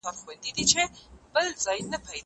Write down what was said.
زه شګه پاک کړی دی؟!